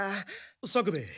作兵衛。